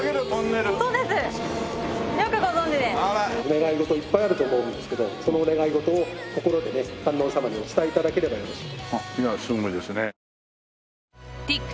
お願い事いっぱいあると思うんですけどそのお願い事を心でね観音様にお伝え頂ければよろしい。